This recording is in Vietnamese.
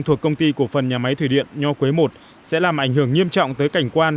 thuộc công ty cổ phần nhà máy thủy điện nho quế i sẽ làm ảnh hưởng nghiêm trọng tới cảnh quan